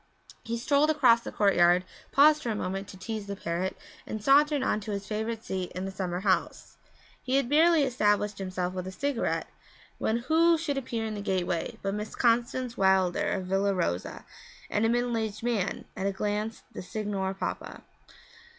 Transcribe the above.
He strolled across the courtyard, paused for a moment to tease the parrot, and sauntered on to his favourite seat in the summer house. He had barely established himself with a cigarette when who should appear in the gateway but Miss Constance Wilder, of Villa Rosa, and a middle aged man at a glance the Signor Papa.